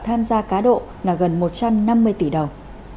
tham gia cá độ là gần một trăm năm mươi tỷ đồng